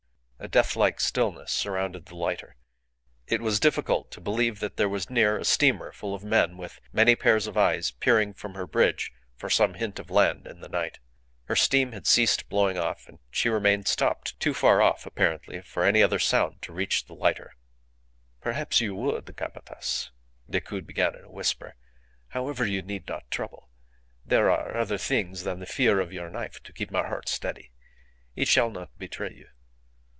A deathlike stillness surrounded the lighter. It was difficult to believe that there was near a steamer full of men with many pairs of eyes peering from her bridge for some hint of land in the night. Her steam had ceased blowing off, and she remained stopped too far off apparently for any other sound to reach the lighter. "Perhaps you would, Capataz," Decoud began in a whisper. "However, you need not trouble. There are other things than the fear of your knife to keep my heart steady. It shall not betray you.